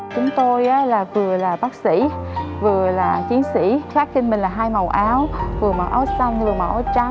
chúng tôi là vừa là bác sĩ vừa là chiến sĩ khác trên mình là hai màu áo vừa màu áo xanh vừa màu trắng